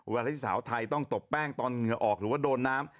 ที่สาวไทยต้องตบแป้งตอนเหงื่อออกหรือว่าโดนน้ำ